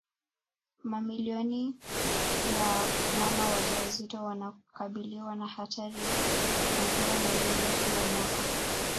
Mamilioni ya mama wajawazito wanakabiliwa na hatari ya kuugua malaria kila mwaka